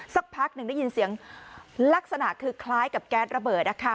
สักพักหนึ่งได้ยินเสียงลักษณะคือคล้ายกับแก๊สระเบิด